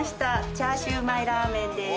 チャーシウマイラーメンです。